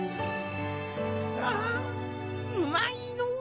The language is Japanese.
ああうまいのう。